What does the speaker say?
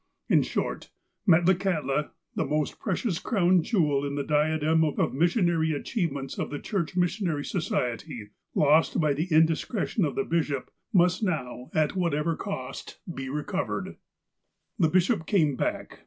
In short, Metlakahtla, the most precious crown jewel in the diadem of missionary achievements of the Church Missionary Society, lost by the indiscretion of the bishop, must now, at whatever cost, be recovered. 2G8 THE SERPENT 269 The bishop came back.